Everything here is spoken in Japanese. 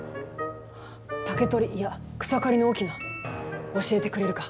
竹取いや草刈の翁教えてくれるか？